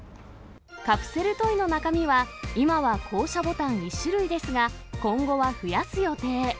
カプセルトイの中身は、今は降車ボタン１種類ですが、今後は増やす予定。